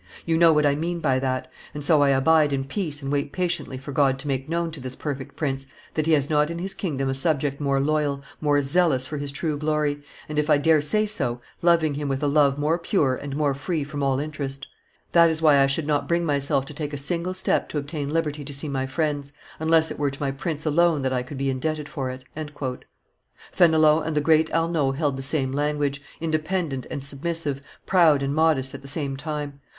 You know what I mean by that; and so I abide in peace and wait patiently for God to make known to this perfect prince that he has not in his kingdom a subject more loyal, more zealous for his true glory, and, if I dare say so, loving him with a love more pure and more free from all interest. That is why I should not bring myself to take a single step to obtain liberty to see my friends, unless it were to my prince alone that I could be indebted for it." Fenelon and the great Arnauld held the same language, independent and submissive, proud and modest, at the same time.